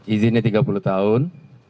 izinnya tiga puluh tahun